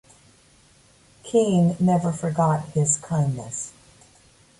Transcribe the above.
Keene never forgot his kindness.